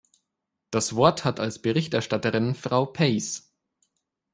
Das Wort hat als Berichterstatterin Frau Peijs.